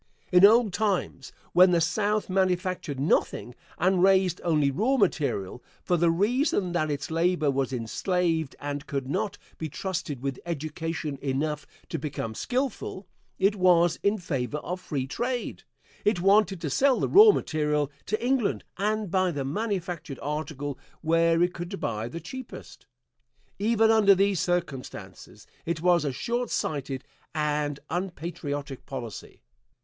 In old times, when the South manufactured nothing and raised only raw material for the reason that its labor was enslaved and could not be trusted with education enough to become skillful it was in favor of free trade; it wanted to sell the raw material to England and buy the manufactured article where it could buy the cheapest. Even under those circumstances it was a short sighted and unpatriotic policy.